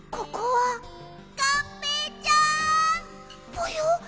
ぽよ？